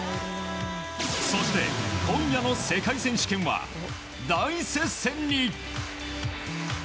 そして、今夜の世界選手権は大接戦に。